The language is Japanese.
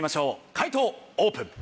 解答オープン。